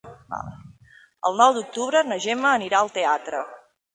El nou d'octubre na Gemma anirà al teatre.